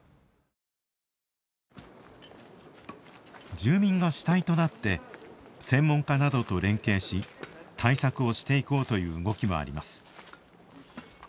住民が主体となって専門家などと連携し対策をしていこうという動きもあります。